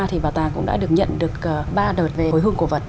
thì bảo tàng cũng đã được nhận được ba đợt về hồi hương cổ vật